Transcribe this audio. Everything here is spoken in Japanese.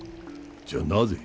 じゃあなぜ？